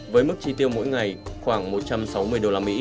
với mức chi tiêu mỗi ngày khoảng một trăm sáu mươi usd